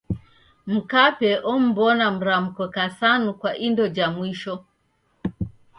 Mkape om'mbona mramko kasanu kwa indo ja mwisho.